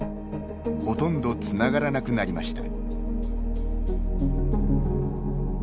ほとんどつながらなくなりました。